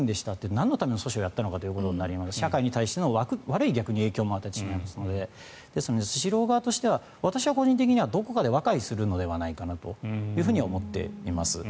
なんのために訴訟をやったんですかと社会に対しての悪い影響も与えてしまいますのでですのでスシロー側としては私は個人的にはどこかで和解するのではと思っています。